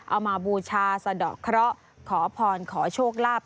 มาบูชาสะดอกเคราะห์ขอพรขอโชคลาภ